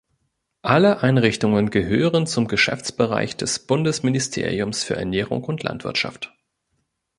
Alle Einrichtungen gehören zum Geschäftsbereich des Bundesministeriums für Ernährung und Landwirtschaft.